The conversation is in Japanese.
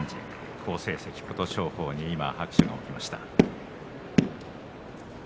好成績の琴勝峰に今、拍手が起きました。